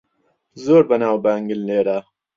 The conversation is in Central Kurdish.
زۆر بەناوبانگن لێرە.